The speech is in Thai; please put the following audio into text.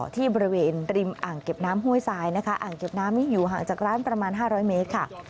ที่บริเวณริมอ่างเก็บน้ำห้วยทรายนะคะอ่างเก็บน้ำนี้อยู่ห่างจากร้านประมาณ๕๐๐เมตรค่ะ